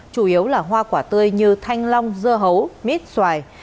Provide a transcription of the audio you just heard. chủ yếu là hoa quả tươi như thanh long dưa hấu mít xoài